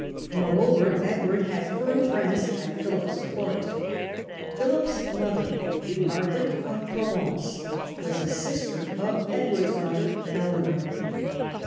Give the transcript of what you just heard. Moreover, Edward had firm friends at Philip's court. Philip's mother, Margaret of Provence, was a sister of EdAvard's mother Eleanor.